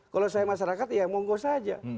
kalau saya masyarakat ya monggo saja